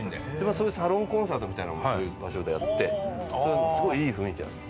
そういうサロンコンサートみたいなのもそういう場所でやってそこがすごいいい雰囲気なの。